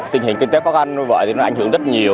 tình hình kinh tế khó khăn như vậy thì nó ảnh hưởng rất nhiều